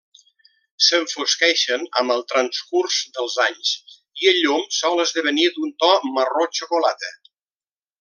S'enfosqueixen amb el transcurs dels anys, i el llom sol esdevenir d'un to marró xocolata.